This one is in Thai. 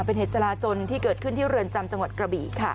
เป็นเหตุจราจนที่เกิดขึ้นที่เรือนจำจังหวัดกระบี่ค่ะ